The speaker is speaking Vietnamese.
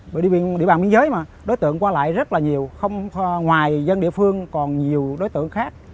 bởi địa bàn biên giới mà đối tượng qua lại rất là nhiều ngoài dân địa phương còn nhiều đối tượng khác